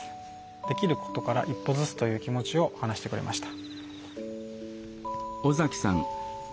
できることから一歩ずつという気持ちを話してくれました。